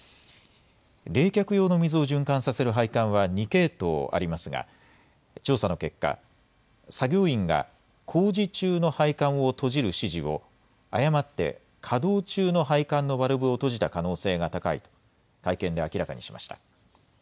冷却用の水を循環させる配管は２系統ありますが調査の結果、作業員が工事中の配管を閉じる指示を誤って稼働中の配管のバルブを閉じた可能性が高いと会見で明らかにしました。